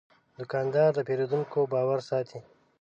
دوکاندار د پیرودونکو باور ساتي.